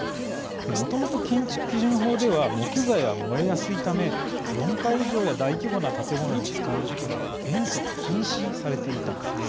もともと建築基準法では木材は燃えやすいため４階以上や大規模な建物に使うことが原則禁止されていたんですね。